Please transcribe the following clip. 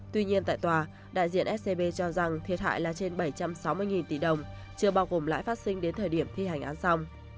tuy nhiên tại tòa đại diện scb cho rằng thiệt hại là trên bảy trăm sáu mươi tỷ đồng chưa bao gồm lãi phát sinh đến thời điểm thi hành án xong